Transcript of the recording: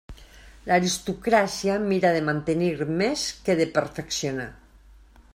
L'aristocràcia mira de mantenir més que de perfeccionar.